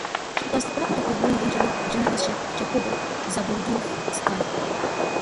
He was the brother of the well known journalist Jacobo Zabludovsky.